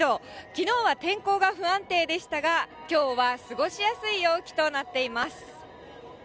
きのうは天候が不安定でしたが、きょうは過ごしやすい陽気となっています。